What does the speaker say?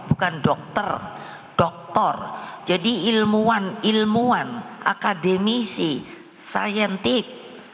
bukan dokter dokter jadi ilmuwan ilmuwan akademisi saintif